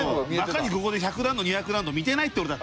ここで１００ラウンド２００ラウンド見てないって俺だって。